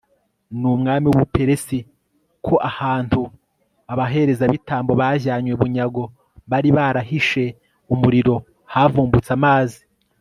n'umwami w'ubuperisi ko ahantu abaherezabitambo bajyanywe bunyago bari barahishe umuriro havumbutse amazi